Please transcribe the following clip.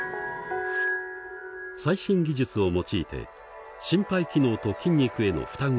最新機術を用いて心肺機能と筋肉への負担を計測する。